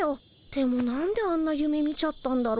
でもなんであんなゆめ見ちゃったんだろうなぁ。